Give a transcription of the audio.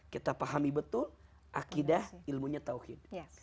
kita pahami betul akidah ilmunya tauhid